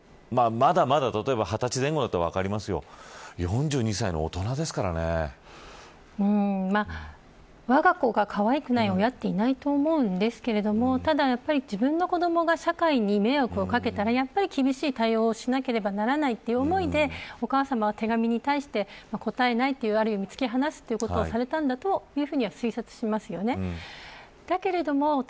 まだまだ２０歳前後だったら分かりますけどわが子がかわいくない親っていないと思うんですがただやっぱり自分の子どもが社会に迷惑をかけたら、やっぱり厳しい対応をしなければならないという思いでお母さまは手紙に対して答えないと突き放すことをされたんだというふうには推察します。